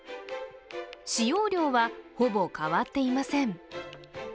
使用量はほぼ変わっていません。